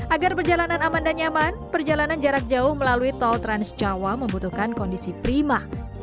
agar perjalanan aman dan nyaman perjalanan jarak jauh melalui tol transjawa membutuhkan kondisi prima